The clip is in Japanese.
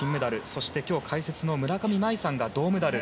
そして、今日解説の村上茉愛さんが銅メダル。